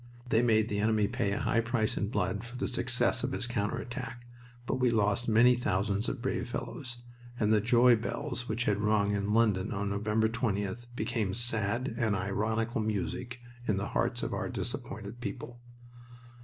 They made the enemy pay a high price in blood for the success of his counter attack, but we lost many thousands of brave fellows, and the joy bells which had rung in London on November 20th became sad and ironical music in the hearts of our disappointed people.